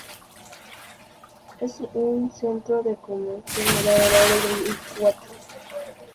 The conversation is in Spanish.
Es un centro de comercio con puerto pesquero y balnearios.